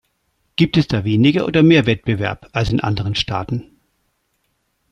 Gibt es da weniger oder mehr Wettbewerb als in anderen Staaten?